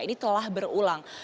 ini telah berulang